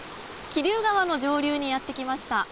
桐生川の上流にやってきました。